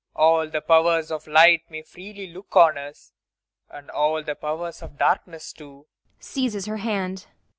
All the powers of light may freely look on us and all the powers of darkness too. [Seizes her hand.